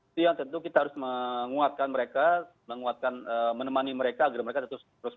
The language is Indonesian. itu yang tentu kita harus menguatkan mereka menemani mereka agar mereka terus berhasil